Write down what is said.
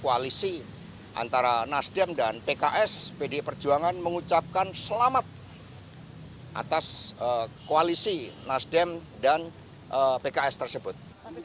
koalisi antara nasdem dan pks pdi perjuangan mengucapkan selamat atas koalisi nasdem dan pks tersebut